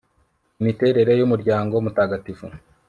imiterere y umuryango mutagatifu